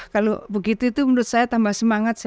kalau begitu itu menurut saya tambah semangat